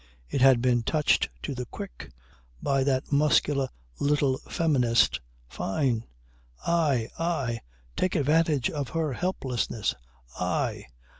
It had been touched to the quick by that muscular little feminist, Fyne. "I! I! Take advantage of her helplessness. I!